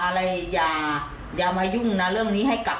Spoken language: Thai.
คือว่าให้ยืมโดยที่ว่าแบบว่าคนกันเองสงสาร